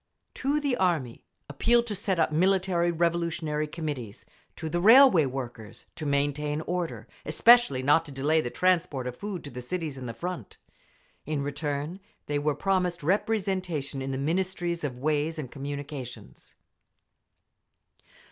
To the Army, appeal to set up Military Revolutionary Committees. To the railway workers, to maintain order, especially not to delay the transport of food to the cities and the front…. In return, they were promised representation in the Ministry of Ways and Communications.